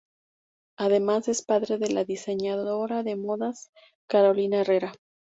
Además es padre de la diseñadora de modas Carolina Herrera.